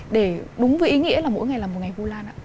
để đúng với ý nghĩa là mỗi ngày là một ngày vu lan ạ